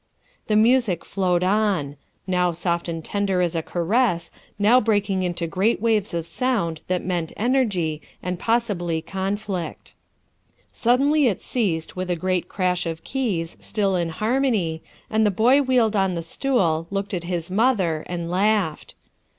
The music flowed on ; now soft and tender as a caress, now breaking into great waves of sound that meant energy, and possibly conflict. Suddenly it ceasetl with a great crash of keys, still in harmony, and the boy wheeled on his stool, looked at his mother, and laughed.